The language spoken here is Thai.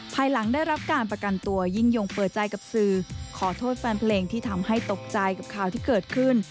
ภายหลังได้รับการประกันตัวยิ่งยงเปิดใจกับสื่อขอโทษแฟนเพลงที่ทำให้ตกใจกับข่าวที่เกิดขึ้น